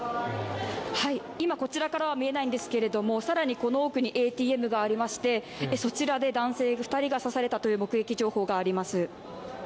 こちらからは見えないんですけれども、更にこの奥にＡＴＭがありまして、そちらで男性２人が刺されたという目撃情報があります。